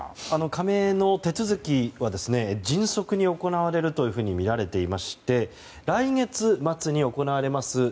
加盟の手続きは迅速に行われるとみられていまして来月末に行われます